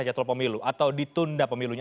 jadwal pemilu atau ditunda pemilunya